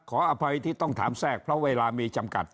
ขออภัยที่ต้องถามแทรกเพราะเวลามีจำกัด